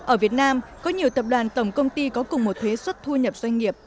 ở việt nam có nhiều tập đoàn tổng công ty có cùng một thuế xuất thu nhập doanh nghiệp